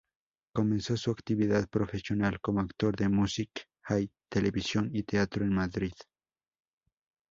Comenzó su actividad profesional como actor de music hall, televisión y teatro en Madrid.